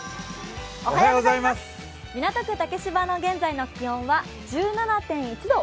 港区竹芝の現在の気温は１７．１度。